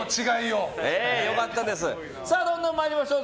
どんどん参りましょう。